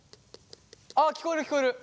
あ聞こえる聞こえる。